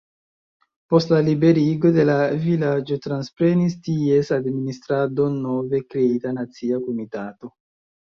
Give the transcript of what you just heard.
Post la liberigo de la vilaĝo transprenis ties administradon nove kreita nacia komitato.